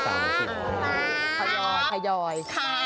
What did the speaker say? ถ่ายอยถ่ายอย